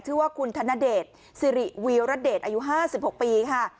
ชื่อว่าคุณธนเดชซิริวิวรัตเดชอายุห้าสิบหกปีค่ะ